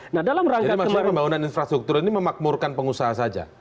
jadi maksudnya pembangunan infrastruktur ini memakmurkan pengusaha saja